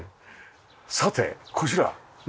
さてこちらね。